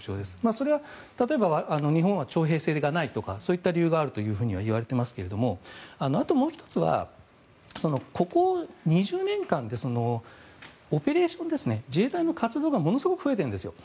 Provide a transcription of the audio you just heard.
それは例えば日本は徴兵制がないとかそういった理由があるといわれていますがあともう１つは、ここ２０年間でオペレーションですね自衛隊の活動がものすごく増えているんです。